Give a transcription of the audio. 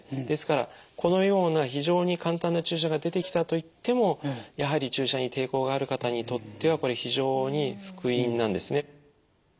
ですからこのような非常に簡単な注射が出てきたと言ってもやはり注射に抵抗がある方にとってはこれ非常に福音なんですね。